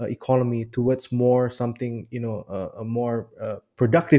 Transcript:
ekonomi yang lebih produktif